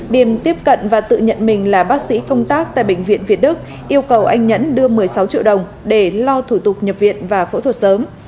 điềm tiếp cận và tự nhận mình là bác sĩ công tác tại bệnh viện việt đức yêu cầu anh nhẫn đưa một mươi sáu triệu đồng để lo thủ tục nhập viện và phẫu thuật sớm